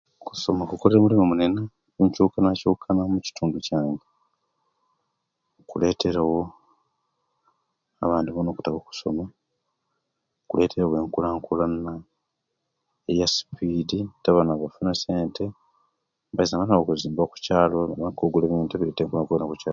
Okusoma kukolere omulimu munene ne enkyukakyukana mukitundu kyange, kuleeterewo abandi boona okutaka okusoma, kuleeterewo enkulankulana eyasupiidi ate abaana bafuna essente, nibaiza boona okuzimba okukyaalo, nibaaba nibagula ebintu ebindi.